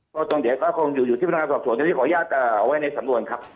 ตรงเดียวคงอยู่ที่พันธาคบโสดโดยจะพี่ขออนุญาตออกไว้ในสำนวนครับ